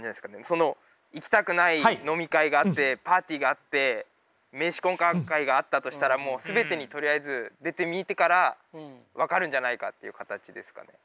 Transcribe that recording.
その行きたくない飲み会があってパーティーがあって名刺交換会があったとしたらもう全てにとりあえず出てみてから分かるんじゃないかっていう形ですかね。